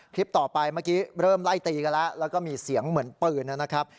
คลิปต่อไปเมื่อกี้เริ่มไล่ตีกันแล้วแล้วก็มีเสียงเหมือนปืนนะครับ